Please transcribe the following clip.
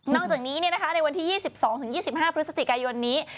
จากนี้ในวันที่๒๒๒๕พฤศจิกายนนี้